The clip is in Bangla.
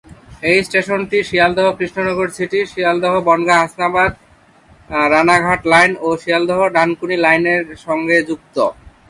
এই স্টেশনটি Sealdah-Krishnanagar city, Sealdah-Bangaon-Hasnabad-Ranaghat line ও"শিয়ালদহ-ডানকুনি" line এর সঙ্গে যুক্ত।